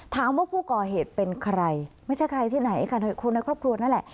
ถามว่าผู้ก่อเหตุเป็นใครไม่ใช่ใครที่ไหนค่ะคนในครอบครัวนั่นแหละ